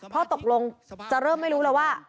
เพราะตกลงจะเริ่มไม่รู้แล้วว่า